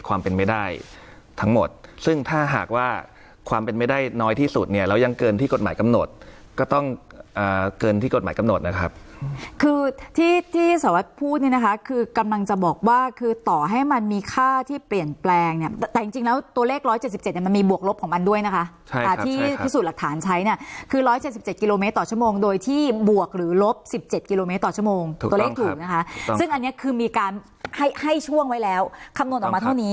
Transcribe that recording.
ความเป็นไม่ได้ทั้งหมดซึ่งถ้าหากว่าความเป็นไม่ได้น้อยที่สุดเนี่ยเรายังเกินที่กฎหมายกำหนดก็ต้องอ่าเกินที่กฎหมายกำหนดนะครับคือที่ที่สวัสดิ์พูดเนี่ยนะคะคือกำลังจะบอกว่าคือต่อให้มันมีค่าที่เปลี่ยนแปลงเนี่ยแต่จริงจริงแล้วตัวเลขร้อยเจ็ดสิบเจ็ดเนี่ยมันมีบวกลบของมันด้วยนะคะใช่